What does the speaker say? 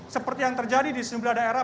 seperti yang terjadi di sejumlah daerah